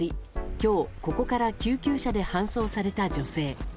今日ここから救急車で搬送された女性。